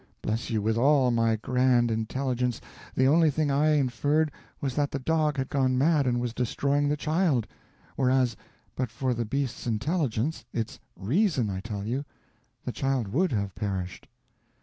bless you, with all my grand intelligence, the only thing I inferred was that the dog had gone mad and was destroying the child, whereas but for the beast's intelligence it's reason, I tell you! the child would have perished!"